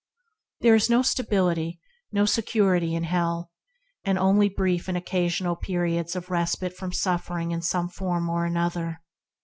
There is no stability, no security, in hell, and only brief and occasional periods of respite from suffering in some form or other.